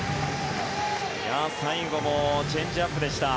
最後もチェンジアップでした。